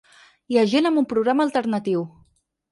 Hi ha gent amb un programa alternatiu.